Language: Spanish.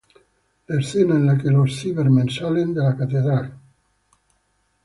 La escena en la que los Cybermen salen de la catedral de St.